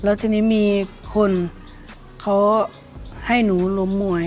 แล้วทีนี้มีคนเขาให้หนูล้มมวย